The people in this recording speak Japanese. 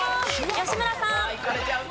吉村さん。